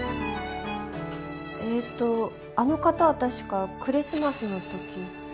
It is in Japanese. えーっとあの方は確かクリスマスの時。